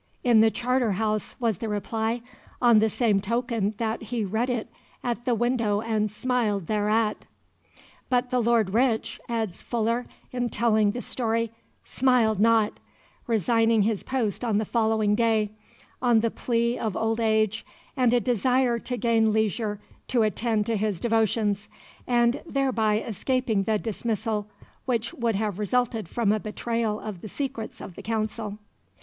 "In the Charter House," was the reply, "on the same token that he read it at the window and smiled thereat." "But the Lord Rich," adds Fuller, in telling the story, "smiled not"; resigning his post on the following day, on the plea of old age and a desire to gain leisure to attend to his devotions, and thereby escaping the dismissal which would have resulted from a betrayal of the secrets of the Council.